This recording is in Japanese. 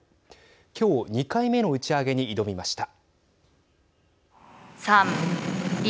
きょう２回目の打ち上げに挑みました。